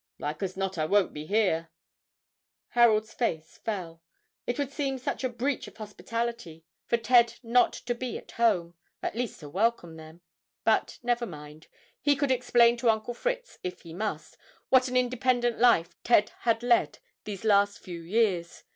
"Like as not I won't be here." Harold's face fell. It would seem such a breach of hospitality for Ted not to be at home, at least to welcome them. But, never mind, he could explain to Uncle Fritz, if he must, what an independent life Ted had led these last few years.